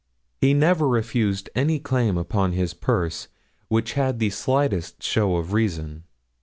He never refused any claim upon his purse which had the slightest show of reason.